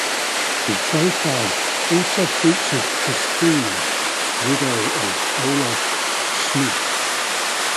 The profile also featured Christina, widow of Olaf Schmid.